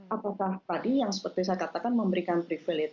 apakah tadi yang seperti saya katakan memberikan privilege